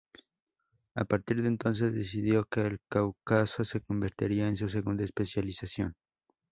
A partir de entonces, decidió que el Cáucaso se convertiría en su segunda especialización.